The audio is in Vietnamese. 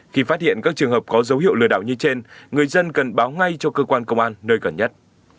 khi phát hiện các trường hợp có dấu hiệu lừa đảo như trên người dân cần báo ngay cho cơ quan công an nơi gần nhất